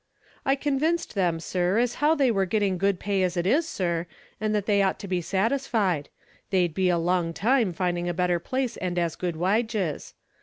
"I convinced them, sir, as how they were getting good pay as it is, sir, and that they ought to be satisfied. They'd be a long time finding a better place and as good wiges.